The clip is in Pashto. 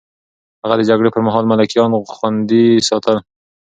هغه د جګړې پر مهال ملکيان خوندي ساتل.